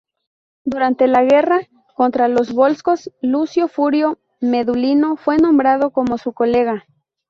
Durante la guerra contra los volscos Lucio Furio Medulino fue nombrado como su colega.